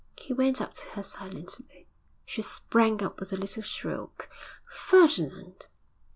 He went up to her silently. She sprang up with a little shriek. 'Ferdinand!'